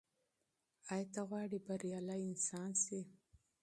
ایا ته غواړې بریالی انسان سې؟